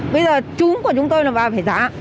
bây giờ trúng của chúng tôi là bà phải giả